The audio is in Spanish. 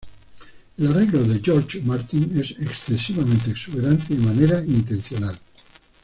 El arreglo de George Martin es excesivamente exuberante, y de manera intencional.